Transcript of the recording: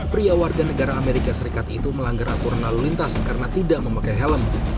pria warga negara amerika serikat itu melanggar aturan lalu lintas karena tidak memakai helm